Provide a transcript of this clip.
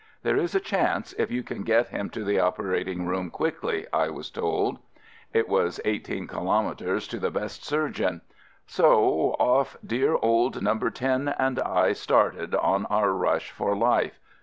"There is a chance if you can get him to the operating room quickly," I was told — it was eighteen kilometres to the best surgeon; so off dear old "No. 10" and I started on our rush for life.